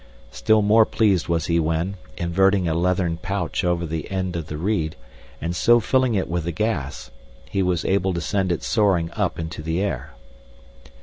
Still more pleased was he when, inverting a leathern pouch over the end of the reed, and so filling it with the gas, he was able to send it soaring up into the air.